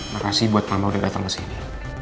makasih buat mama udah dateng kesini